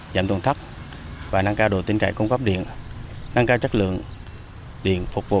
giảm tổn thất và nâng cao đồ tính cải cung cấp điện nâng cao chất lượng điện phục vụ